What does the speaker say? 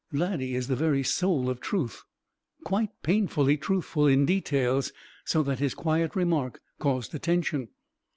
Laddie is the very soul of truth, quite painfully truthful in details, so that his quiet remark caused attention.